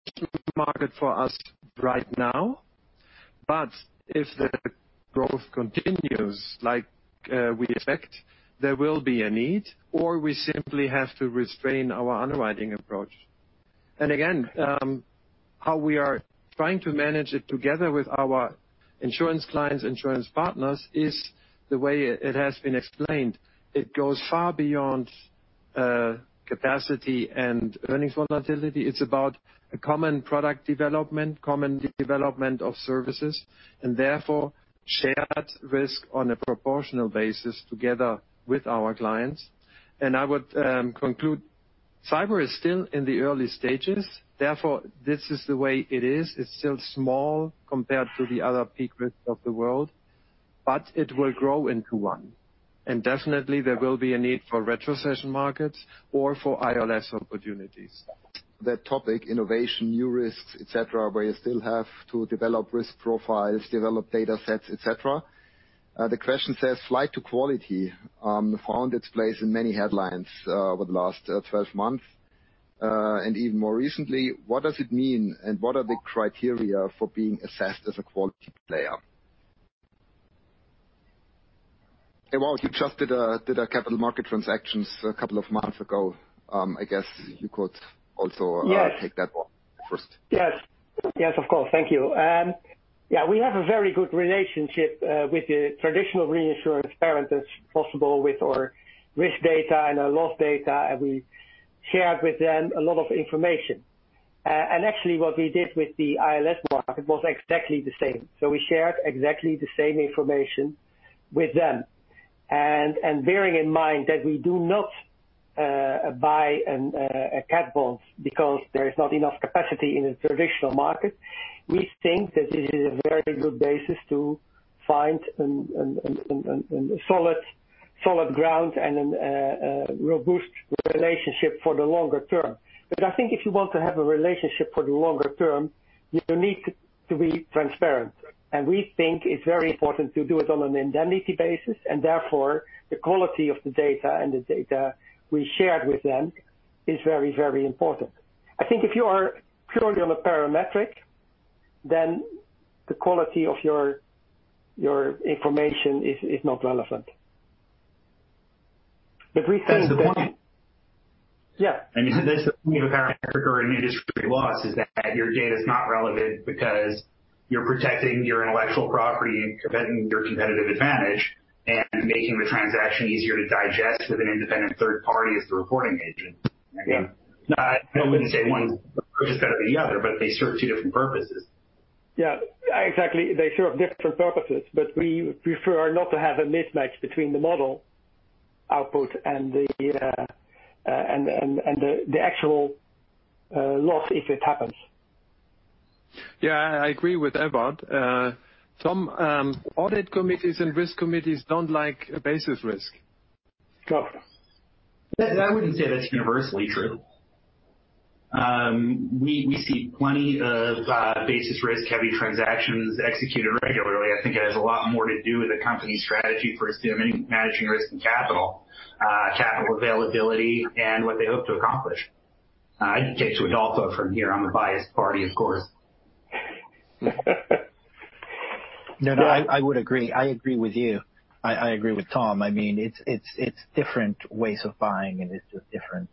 Speaker 7: market for us right now. If the growth continues like we expect, there will be a need, or we simply have to restrain our underwriting approach. Again, how we are trying to manage it together with our insurance clients, insurance partners, is the way it has been explained. It goes far beyond capacity and earnings volatility. It's about a common product development, common development of services, therefore shared risk on a proportional basis together with our clients. I would conclude, cyber is still in the early stages, therefore, this is the way it is. It's still small compared to the other peak risks of the world, it will grow into one. Definitely, there will be a need for retrocession markets or for ILS opportunities.
Speaker 1: That topic, innovation, new risks, et cetera, where you still have to develop risk profiles, develop data sets, et cetera. The question says flight to quality found its place in many headlines over the last 12 months, and even more recently. What does it mean, and what are the criteria for being assessed as a quality player? Ewoud, you just did a capital market transactions a couple of months ago. I guess you could also-
Speaker 3: Yes
Speaker 1: take that one first.
Speaker 3: Yes. Of course. Thank you. We have a very good relationship with the traditional reinsurance transparent as possible with our risk data and our loss data. We shared with them a lot of information. Actually, what we did with the ILS market was exactly the same. We shared exactly the same information with them. Bearing in mind that we do not buy cat bonds because there is not enough capacity in the traditional market. We think that this is a very good basis to find a solid ground and a robust relationship for the longer term. I think if you want to have a relationship for the longer term, you need to be transparent. We think it's very important to do it on an indemnity basis. Therefore, the quality of the data and the data we shared with them is very important. I think if you are purely on a parametric, then the quality of your information is not releIvant.
Speaker 4: That's the point.
Speaker 3: Yeah.
Speaker 4: That's the point of a parametric or an industry loss, is that your data's not relevant because you're protecting your intellectual property and your competitive advantage and making the transaction easier to digest with an independent third party as the reporting agent.
Speaker 3: Yeah.
Speaker 4: I wouldn't say one approach is better than the other, but they serve two different purposes.
Speaker 3: Yeah, exactly. They serve different purposes, but we prefer not to have a mismatch between the model output and the actual loss if it happens.
Speaker 7: Yeah, I agree with Ewoud. Some audit committees and risk committees don't like a basis risk.
Speaker 3: Correct.
Speaker 4: I wouldn't say that's universally true. We see plenty of basis risk-heavy transactions executed regularly. I think it has a lot more to do with a company's strategy for assuming, managing risk and capital availability, and what they hope to accomplish. I'd take to Adolfo from here. I'm a biased party, of course.
Speaker 6: No, I would agree. I agree with you. I agree with Tom. It's different ways of buying, and it's just different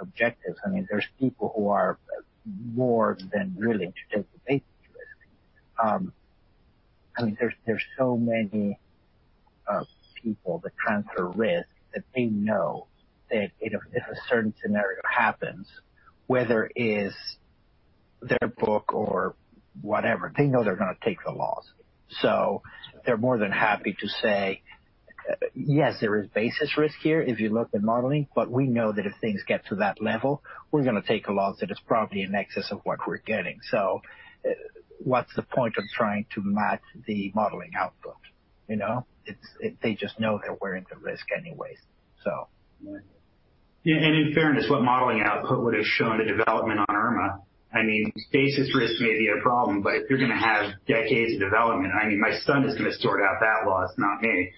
Speaker 6: objectives. There's people who are more than willing to take the basis risk. There's so many people that transfer risk that they know that if a certain scenario happens, whether it is their book or whatever, they know they're going to take the loss. They're more than happy to say, "Yes, there is basis risk here if you look at modeling, but we know that if things get to that level, we're going to take a loss that is probably in excess of what we're getting." What's the point of trying to match the modeling output? They just know they're wearing the risk anyways.
Speaker 4: Yeah. In fairness, what modeling output would've shown the development on Irma? Basis risk may be a problem, but if you're going to have decades of development, my son is going to sort out that loss, not me.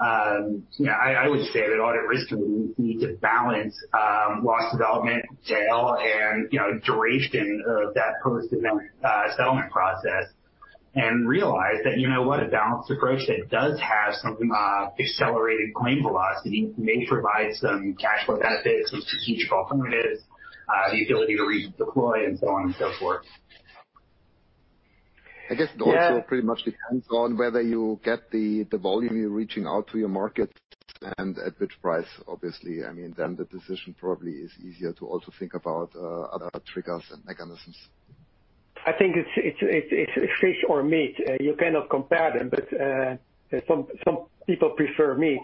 Speaker 4: I would say that audit risk would need to balance loss development, tail, and duration of that post-settlement process and realize that a balanced approach that does have some accelerated claim velocity may provide some cash flow benefits, some strategic alternatives, the ability to redeploy, and so on and so forth.
Speaker 1: I guess it also pretty much depends on whether you get the volume you're reaching out to your market and at which price, obviously. The decision probably is easier to also think about other triggers and mechanisms.
Speaker 3: I think it's fish or meat. You cannot compare them. Some people prefer meat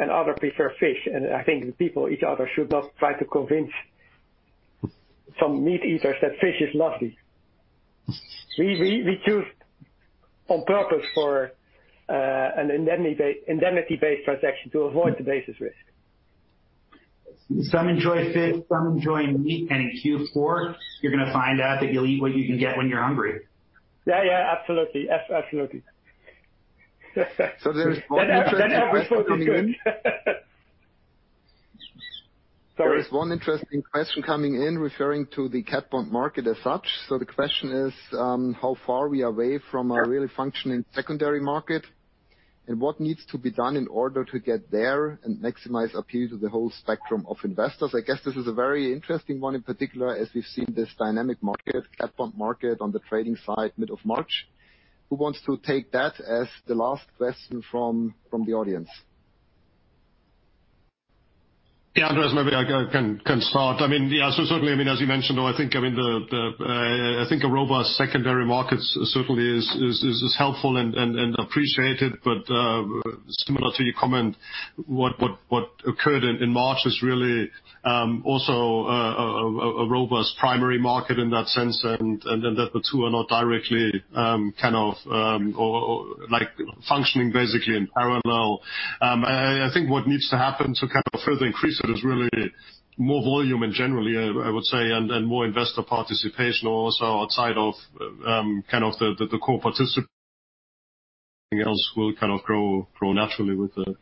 Speaker 3: and others prefer fish. I think people, each other, should not try to convince some meat eaters that fish is lovely. We choose on purpose for an indemnity-based transaction to avoid the basis risk.
Speaker 4: Some enjoy fish, some enjoy meat, and in Q4, you're going to find out that you'll eat what you can get when you're hungry.
Speaker 3: Yeah. Absolutely.
Speaker 1: There is one interesting-
Speaker 3: Every food is good.
Speaker 1: There is one interesting question coming in referring to the cat bond market as such. The question is, how far are we away from a really functioning secondary market, and what needs to be done in order to get there and maximize appeal to the whole spectrum of investors? I guess this is a very interesting one in particular, as we've seen this dynamic market, cat bond market on the trading side mid of March. Who wants to take that as the last question from the audience?
Speaker 5: Andreas, maybe I can start. Certainly, as you mentioned, I think a robust secondary market certainly is helpful and appreciated but, similar to your comment, what occurred in March is really also a robust primary market in that sense, and then that the two are not directly functioning basically in parallel. I think what needs to happen to further increase it is really more volume in general, I would say, and more investor participation also outside of the core participant. Everything else will grow naturally with it.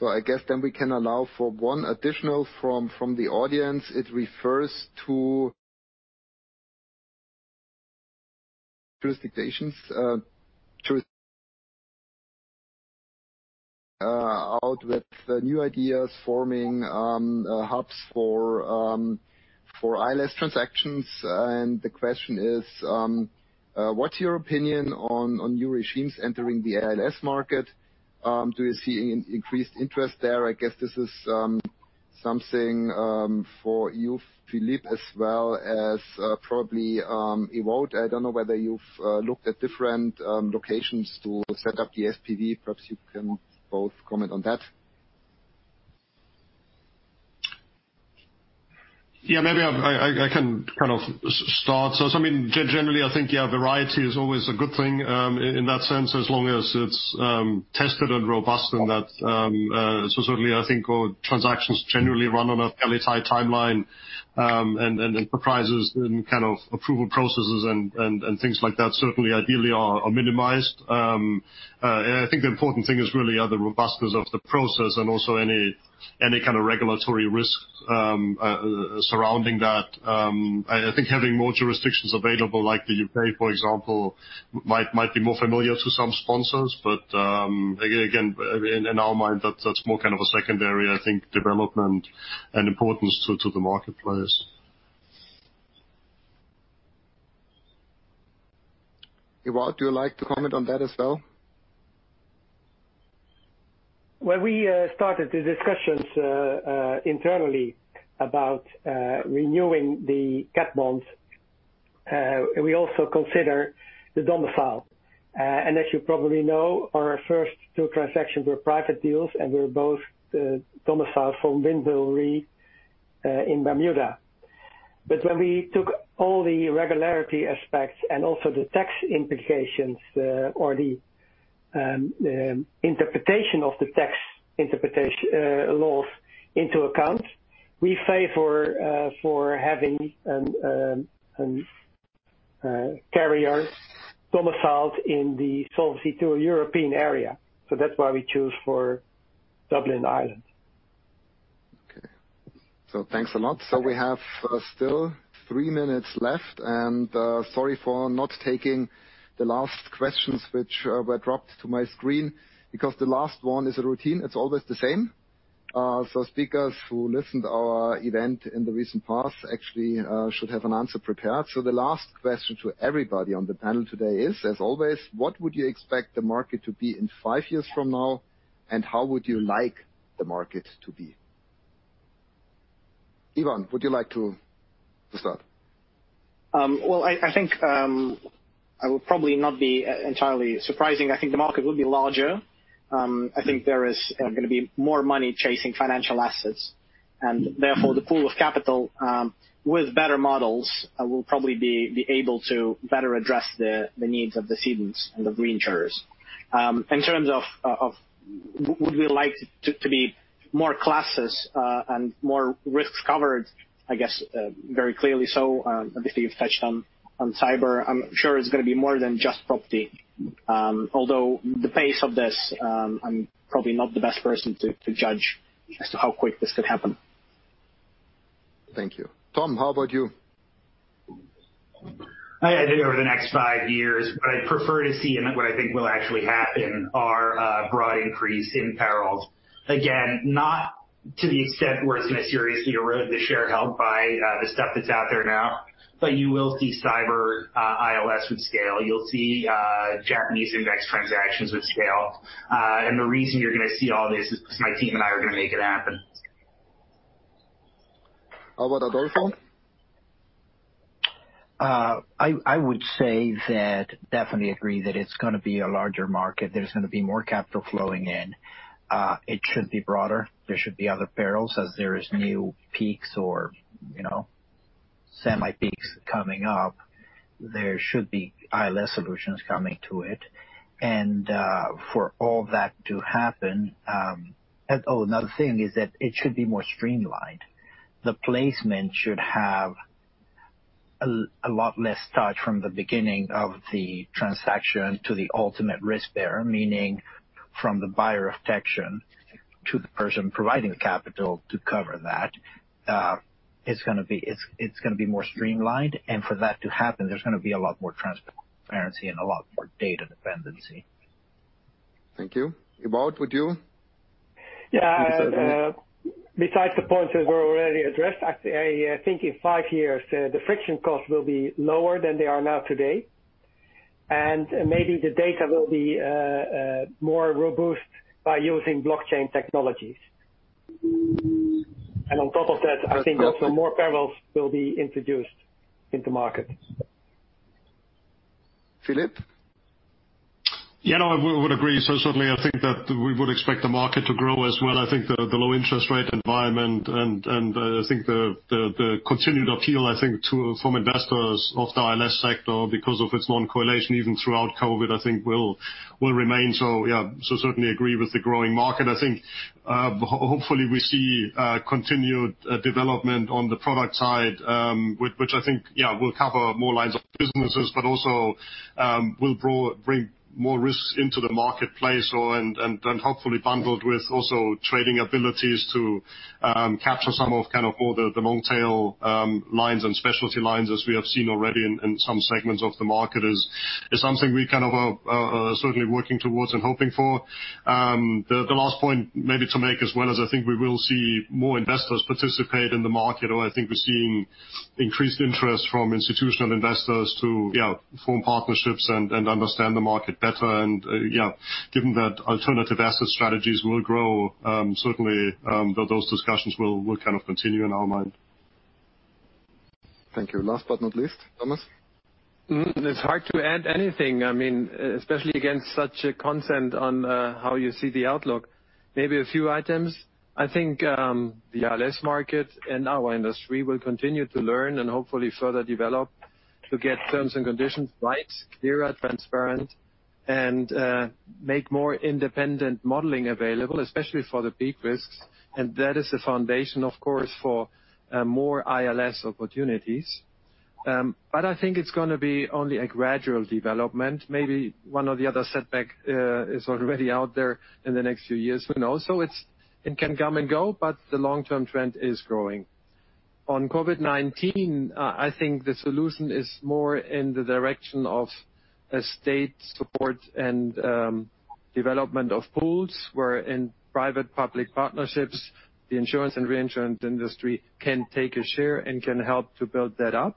Speaker 1: I guess we can allow for one additional from the audience. It refers to jurisdictions out with new ideas forming hubs for ILS transactions. The question is, what's your opinion on new regimes entering the ILS market? Do you see increased interest there? I guess this is something for you, Philipp, as well as probably Ewoud. I don't know whether you've looked at different locations to set up the SPV. Perhaps you can both comment on that.
Speaker 5: Yeah, maybe I can start. I mean, generally, I think variety is always a good thing in that sense, as long as it's tested and robust and that, so certainly I think transactions generally run on a fairly tight timeline, and enterprises and approval processes and things like that certainly ideally are minimized. I think the important thing is really the robustness of the process and also any kind of regulatory risks surrounding that. I think having more jurisdictions available, like the U.K., for example, might be more familiar to some sponsors. Again, in our mind, that's more a secondary development and importance to the marketplace.
Speaker 1: Ewoud, would you like to comment on that as well?
Speaker 3: When we started the discussions internally about renewing the cat bonds, we also considered the domicile. As you probably know, our first two transactions were private deals, and were both domiciled from Windmill Re in Bermuda. When we took all the regularity aspects and also the tax implications, or the interpretation of the tax laws into account, we favor for having a carrier domiciled in the Solvency II European area. That's why we choose for Dublin, Ireland.
Speaker 1: Okay. Thanks a lot. We have still three minutes left, and sorry for not taking the last questions which were dropped to my screen, because the last one is a routine. It's always the same. Speakers who listened to our event in the recent past actually should have an answer prepared. The last question to everybody on the panel today is, as always, what would you expect the market to be in five years from now, and how would you like the market to be? Ivan, would you like to start?
Speaker 2: I think I will probably not be entirely surprising. I think the market will be larger. I think there is going to be more money chasing financial assets. Therefore, the pool of capital, with better models, will probably be able to better address the needs of the cedents and the reinsurers. In terms of would we like to be more classes, and more risks covered, I guess, very clearly so, obviously you've touched on cyber. I'm sure it's going to be more than just property. The pace of this, I'm probably not the best person to judge as to how quick this could happen.
Speaker 1: Thank you. Tom, how about you?
Speaker 4: I think over the next five years, what I'd prefer to see and what I think will actually happen are a broad increase in perils. Again, not to the extent where it's going to seriously erode the share held by the stuff that's out there now. But you will see cyber ILS with scale. You'll see Japanese index transactions with scale. The reason you're going to see all this is because my team and I are going to make it happen.
Speaker 1: How about Adolfo?
Speaker 6: I would say that definitely agree that it's going to be a larger market. There's going to be more capital flowing in. It should be broader. There should be other perils as there is new peaks or semi peaks coming up. There should be ILS solutions coming to it. For all that to happen, another thing is that it should be more streamlined. The placement should have a lot less touch from the beginning of the transaction to the ultimate risk bearer. Meaning from the buyer of protection to the person providing the capital to cover that. It's going to be more streamlined, and for that to happen, there's going to be a lot more transparency and a lot more data dependency.
Speaker 1: Thank you. Ewoud, would you like to say something?
Speaker 3: Yeah. Besides the points that were already addressed, I think in five years, the friction costs will be lower than they are now today. Maybe the data will be more robust by using blockchain technologies. On top of that, I think also more perils will be introduced into market.
Speaker 1: Philipp?
Speaker 5: Yeah, no, I would agree. Certainly, I think that we would expect the market to grow as well. I think the low interest rate environment and I think the continued appeal, I think from investors of the ILS sector because of its non-correlation even throughout COVID-19, I think will remain. Yeah, certainly agree with the growing market. I think hopefully we see continued development on the product side, which I think, yeah, will cover more lines of businesses, but also will bring more risks into the marketplace and hopefully bundled with also trading abilities to capture some of kind of all the long tail lines and specialty lines as we have seen already in some segments of the market is something we kind of are certainly working towards and hoping for. The last point maybe to make as well is I think we will see more investors participate in the market. I think we're seeing increased interest from institutional investors to form partnerships and understand the market better. Given that alternative asset strategies will grow, certainly, those discussions will kind of continue in our mind.
Speaker 1: Thank you. Last but not least, Thomas.
Speaker 7: It's hard to add anything. I mean, especially against such a consensus on how you see the outlook. Maybe a few items. I think the ILS market and our industry will continue to learn and hopefully further develop to get terms and conditions right, clearer, transparent, and make more independent modeling available, especially for the peak risks. That is the foundation, of course, for more ILS opportunities. I think it's going to be only a gradual development. Maybe one or the other setback is already out there in the next few years. Who knows? It can come and go, but the long-term trend is growing. On COVID-19, I think the solution is more in the direction of a state support and development of pools where in private-public partnerships, the insurance and reinsurance industry can take a share and can help to build that up.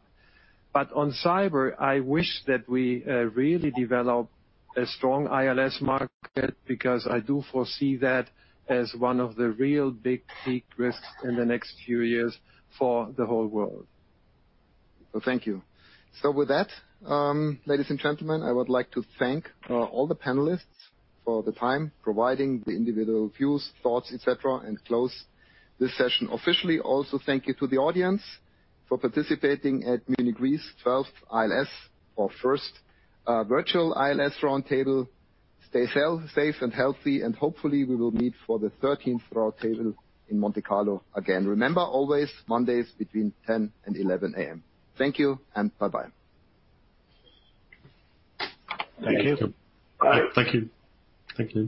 Speaker 7: On cyber, I wish that we really develop a strong ILS market because I do foresee that as one of the real big peak risks in the next few years for the whole world.
Speaker 1: Well, thank you. With that, ladies and gentlemen, I would like to thank all the panelists for the time, providing the individual views, thoughts, et cetera, and close this session officially. Also, thank you to the audience for participating at Munich Re's 12th ILS or first virtual ILS Roundtable. Stay safe and healthy, and hopefully we will meet for the 13th roundtable in Monte Carlo again. Remember, always Mondays between 10:00 A.M. and 11:00 A.M. Thank you, and bye-bye.
Speaker 7: Thank you.
Speaker 5: Thank you.
Speaker 6: Thank you.